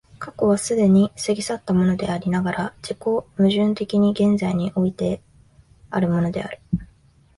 過去は既に過ぎ去ったものでありながら、自己矛盾的に現在においてあるものである。